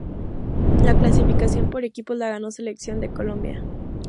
La clasificación por equipos la ganó "Selección de Colombia".